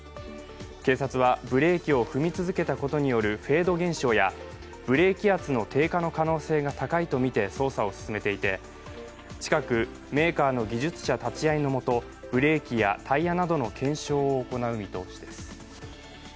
警察は、ブレーキを踏み続けたことによるフェード現象やブレーキ圧の低下の可能性が高いとみて捜査を進めていて近くメーカーの技術者立ち会いのもと、ブレーキやタイヤなどの検証を行う見通しです。